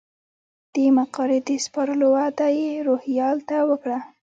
د مقالې د سپارلو وعده یې روهیال ته وکړه.